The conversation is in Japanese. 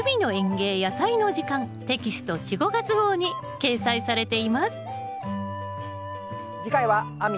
テキスト４・５月号に掲載されています